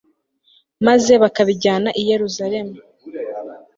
maze bakabijyana i yeruzalemu